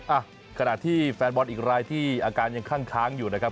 อ่ะขณะที่แฟนบอลอีกรายที่อาการยังคั่งค้างอยู่นะครับ